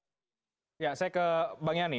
saya ke bang yani